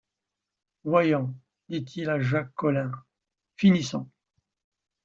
Voyons, dit-il à Jacques Collin, finissons!